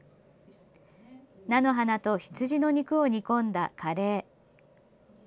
菜の花と羊の肉を煮込んだカレー。